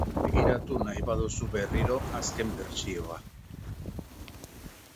Begiratu nahi baduzu berriro azken bertsioa .